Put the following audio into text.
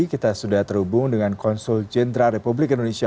kita sudah terhubung dengan konsul jenderal republik indonesia